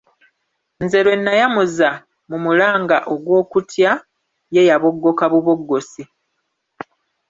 Nze lwe nayamuza mu mulanga ogw'okutya, ye yaboggoka buboggosi.